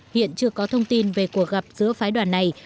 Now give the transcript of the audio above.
hiện chưa có thông tin về cuộc gặp giữa phái đoàn này